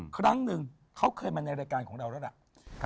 ครั้งหนึ่งเขาเคยมาในรายการของเราแล้วล่ะ